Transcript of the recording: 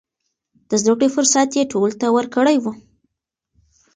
د زده کړې فرصت يې ټولو ته ورکړی و.